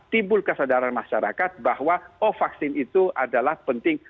timbul kesadaran masyarakat bahwa oh vaksin itu adalah penting